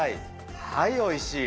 はい、おいしい。